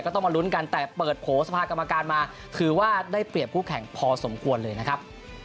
ต้องมาลุ้นกันแต่เปิดโผล่สภากรรมการมาถือว่าได้เปรียบคู่แข่งพอสมควรเลยนะครับ